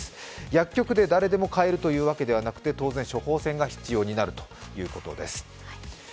薬局で誰でも買えるというわけではなくて、当然、処方箋が必要になるということです。